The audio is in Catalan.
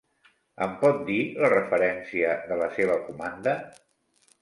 Em pot dir la referència de la seva comanda?